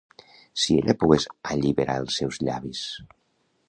Si ella pogués alliberar els seus llavis!